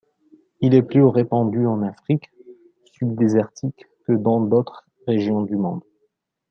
Il est plus répandu en Afrique subdésertique que dans d'autres régions du monde.